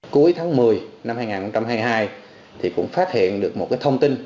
cuối tháng một mươi năm hai nghìn hai mươi hai thì cũng phát hiện được một thông tin